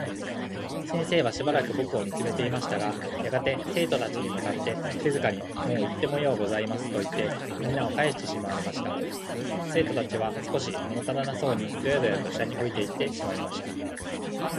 先生は暫く僕を見つめていましたが、やがて生徒達に向って静かに「もういってもようございます。」といって、みんなをかえしてしまわれました。生徒達は少し物足らなそうにどやどやと下に降りていってしまいました。